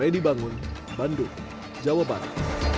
ready bangun bandung jawa barat